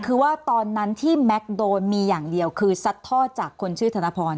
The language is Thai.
คือว่าตอนนั้นที่แม็กซ์โดนมีอย่างเดียวคือซัดทอดจากคนชื่อธนพร